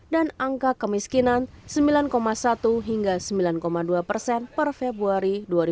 dan angka kemiskinan sembilan satu hingga sembilan dua persen per februari dua ribu dua puluh tiga